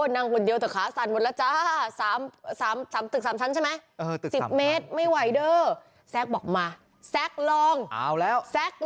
นั่งคนเดียวแต่ขาสั่นหมดแล้วจ้าสามสามสามสิบเมตรไม่ไหว